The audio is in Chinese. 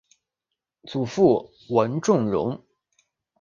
祖父文仲荣。